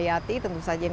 ya tadi aku gimana mano